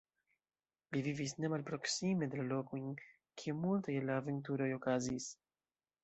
Li vivis ne malproksime de la lokojn, kie multaj el la aventuroj okazis.